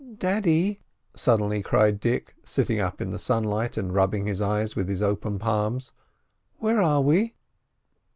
"Daddy!" suddenly cried Dick, sitting up in the sunlight and rubbing his eyes with his open palms. "Where are we?"